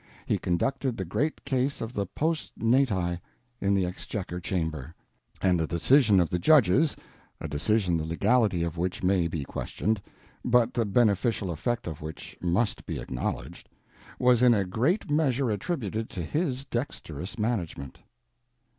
He conducted the great case of the Post Nati in the Exchequer Chamber; and the decision of the judges—a decision the legality of which may be questioned, but the beneficial effect of which must be acknowledged—was in a great measure attributed to his dexterous management.